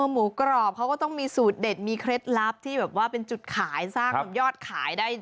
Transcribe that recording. หมูกรอบเขาก็ต้องมีสูตรเด็ดมีเคล็ดลับที่แบบว่าเป็นจุดขายสร้างยอดขายได้